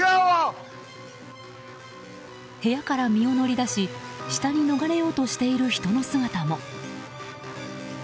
部屋から身を乗り出し下に逃れようとしている人の姿も。